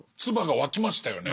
唾がわきましたよね。